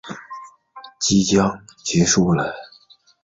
王舟舟是中国男子跳高运动员。